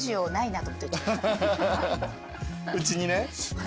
うちにね。